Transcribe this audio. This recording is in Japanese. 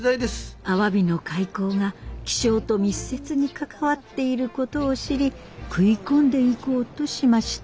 アワビの開口が気象と密接に関わっていることを知り食い込んでいこうとしました。